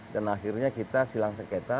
dan akhirnya kita silang seketa